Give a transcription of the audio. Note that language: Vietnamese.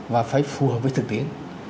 và phải phù hợp với thực tiễn